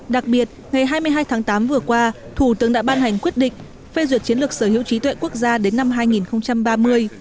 đặc biệt ngày hai mươi hai tháng tám vừa qua thủ tướng đã ban hành quyết định phê duyệt chiến lược sở hữu trí tuệ quốc gia đến năm hai nghìn ba mươi